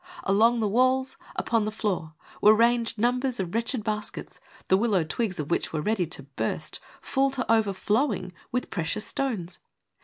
Along the walls, upon the floor, were ranged numbers of wretched baskets, the willow twigs of which were ready to burst, full to overflowing with precious stones.